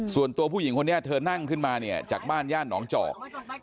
ส่วนตัวผู้หญิงคนนี้เธอนั่งขึ้นมาเนี่ยจากบ้านย่านหนองจอก